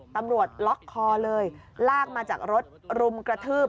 ตำรวจล็อกคอเลยลากมาจากรถรุมกระทืบ